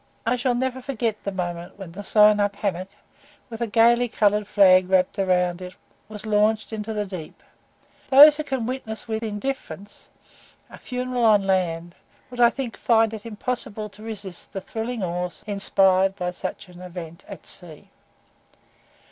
I shall never forget the moment when the sewn up hammock, with a gaily coloured flag wrapped round it, was launched into the deep; those who can witness with indifference a funeral on land, would, I think, find it impossible to resist the thrilling awe inspired by such an event at sea.